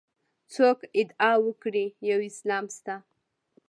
څوک ادعا وکړي یو اسلام شته.